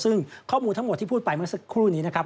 ซึ่งข้อมูลทั้งหมดที่พูดไปเมื่อสักครู่นี้นะครับ